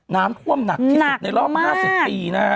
น้ำท่วมหนักที่สุดในรอบ๕๐ปีนะฮะ